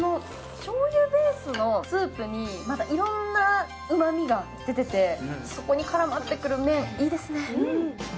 しょうゆベースのスープにまたいろんなうまみが出ててそこに絡まってくる麺、いいですね